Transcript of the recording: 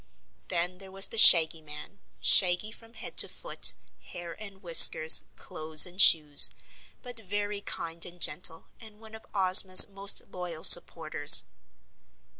Then there was the Shaggy Man shaggy from head to foot, hair and whiskers, clothes and shoes but very kind and gentle and one of Ozma's most loyal supporters.